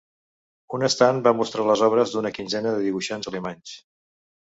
Un estand va mostrar les obres d'una quinzena de dibuixants alemanys.